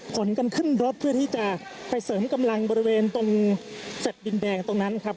ขนกันขึ้นรถเพื่อที่จะไปเสริมกำลังบริเวณตรงแฟลต์ดินแดงตรงนั้นครับ